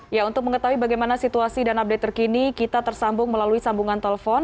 ya untuk mengetahui bagaimana situasi dan update terkini kita tersambung melalui sambungan telepon